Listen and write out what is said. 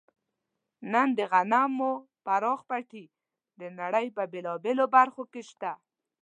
نن د غنمو پراخ پټي د نړۍ په بېلابېلو برخو کې شته.